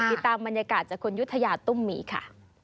ติดตามบรรยากาศจากคุณยุธยาตุ้มมีค่ะ